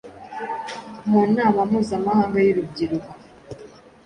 mu nama mpuzamahanga y’urubyiruko